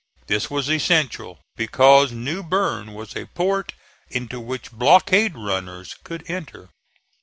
This was essential because New Berne was a port into which blockade runners could enter.